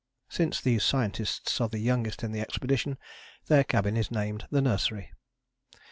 Since these scientists are the youngest in the expedition their cabin is named the Nursery.